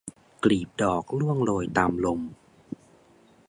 กลีบดอกร่วงโรยตามลม